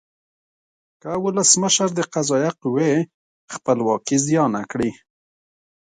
که ولسمشر د قضایه قوې خپلواکي زیانه کړي.